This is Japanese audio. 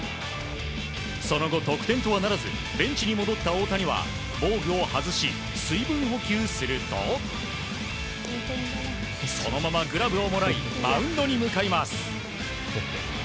その後、得点とはならずベンチに戻った大谷は防具を外し、水分補給するとそのままグラブをもらいマウンドに向かいます。